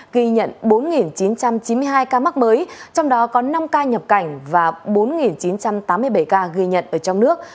ghi nhận bốn chín trăm chín mươi hai ca mắc mới trong đó có năm ca nhập cảnh và bốn chín trăm tám mươi bảy ca ghi nhận ở trong nước